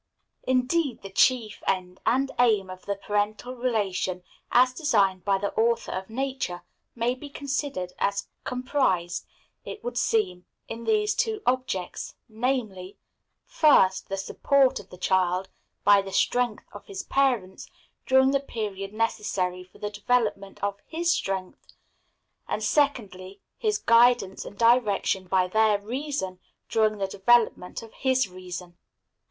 Indeed, the chief end and aim of the parental relation, as designed by the Author of nature, may be considered as comprised, it would seem, in these two objects, namely: first, the support of the child by the strength of his parents during the period necessary for the development of his strength, and, secondly, his guidance and direction by their reason during the development of his reason.